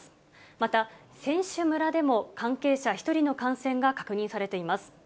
また、選手村でも関係者１人の感染が確認されています。